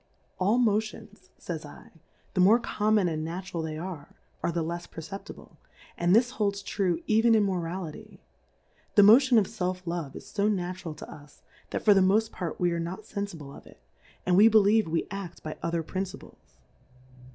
Ail Motions, fays /, the more conir mon and natural they are, are the lefs perceptible, and this holds true even in Morality , the Motion of Self love is fo natural to us, that for the moft part we are not fenfible of it, and v/e believe we ad by other Principles.